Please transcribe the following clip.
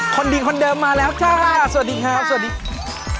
คนดีคนเดิมมาแล้วค่ะสวัสดีค่ะ